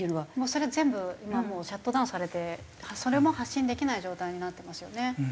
それは全部今はもうシャットダウンされてそれも発信できない状態になってますよね。